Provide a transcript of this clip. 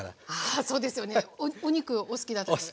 あそうですよね。お肉お好きなんですか？